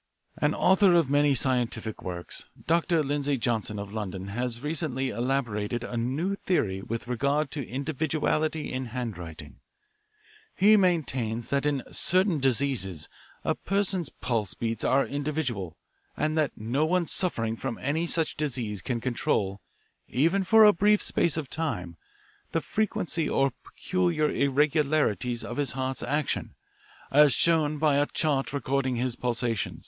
"An author of many scientific works, Dr. Lindsay Johnson, of London, has recently elaborated a new theory with regard to individuality in handwriting. He maintains that in certain diseases a person's pulse beats are individual, and that no one suffering from any such disease can control, even for a brief space of time, the frequency or peculiar irregularities of his heart's action, as shown by a chart recording his pulsation.